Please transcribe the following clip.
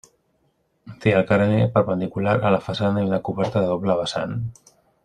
Té el carener perpendicular a la façana i una coberta de doble vessant.